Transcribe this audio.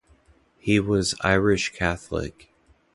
He was Irish Catholic.